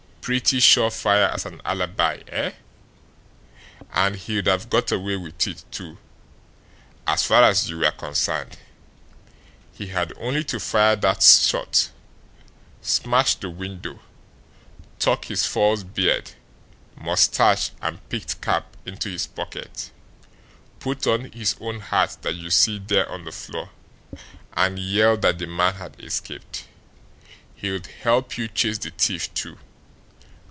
Pretty sure fire as an alibi, eh? And he'd have got away with it, too, as far as you were concerned. He had only to fire that shot, smash the window, tuck his false beard, mustache, and peaked cap into his pocket, put on his own hat that you see there on the floor and yell that the man had escaped. He'd help you chase the thief, too!